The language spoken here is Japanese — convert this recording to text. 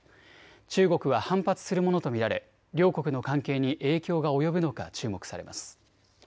中国は反発するものと見られ両国の関係に影響が及ぶのか注目されます。